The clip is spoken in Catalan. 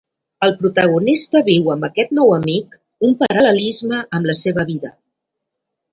El protagonista viu amb aquest nou amic un paral·lelisme amb la seva vida.